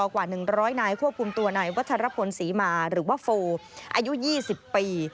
กว่าหนึ่งร้อยนายควบคุมตัวนายวัฒนภนศรีมาหรือว่าโฟร์อายุยี่สิบปี